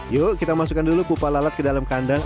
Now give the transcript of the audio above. yuk kita masukkan dulu pupa lalat ke dalam kandang